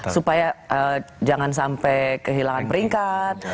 supaya jangan sampai kehilangan peringkat